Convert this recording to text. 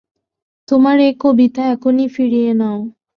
তোমার এ কবিতা এখনই ফিরিয়ে নাও।